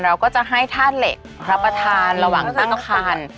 เราก็จะให้ธาตุเหล็กรับประทานระหว่างตั้งคัน